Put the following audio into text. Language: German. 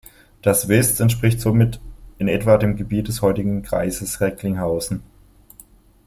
Das Vest entspricht somit in etwa dem Gebiet des heutigen Kreises Recklinghausen.